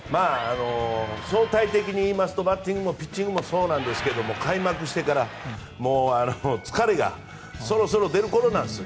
相対的に言いますとバッティングもピッチングもそうですが開幕してから疲れがそろそろ出るころなんです。